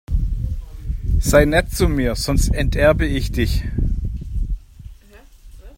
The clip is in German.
Sei nett zu mir, sonst enterbe ich dich!